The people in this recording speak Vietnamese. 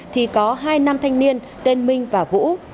thì có hai nam thanh niên tên minh và vũ